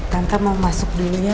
tante mau masuk dulunya